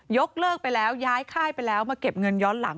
ยกเลิกไปแล้วย้ายค่ายไปแล้วมาเก็บเงินย้อนหลัง